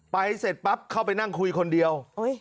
เสร็จปั๊บเข้าไปนั่งคุยคนเดียว